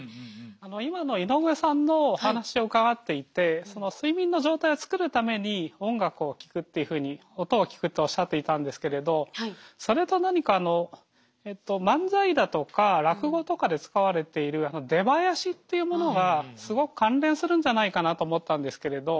今の井上さんのお話を伺っていてその睡眠の状態を作るために音楽を聴くっていうふうに音を聴くっておっしゃっていたんですけれどそれと何か漫才だとか落語とかで使われている出囃子っていうものがすごく関連するんじゃないかなと思ったんですけれど。